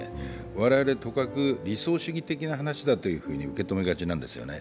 我々、とかく理想主義的な話だと受け止めがちなんですよね。